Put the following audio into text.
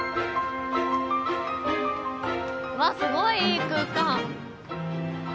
わあすごいいい空間。